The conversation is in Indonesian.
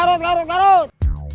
garut garut garut garut